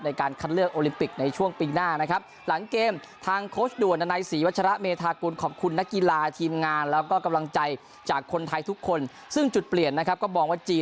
ในการคัดเลือกโอลิมปิกในช่วงปีหน้านะครับ